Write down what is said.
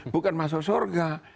bukan masuk surga